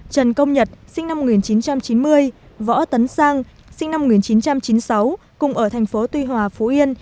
trần công nhật sinh năm một nghìn chín trăm chín mươi võ tấn sang sinh năm một nghìn chín trăm chín mươi sáu cùng ở thành phố tuy hòa phú yên